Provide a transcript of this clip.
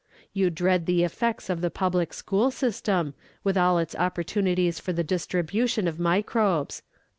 You dread the effects of the public school system, with all its opportunities for the distribution of microbes.